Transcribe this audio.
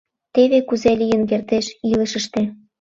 Теве кузе лийын кертеш илышыште.